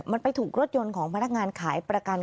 มันไปถูกรถยนต์ของพนักงานขายประกัน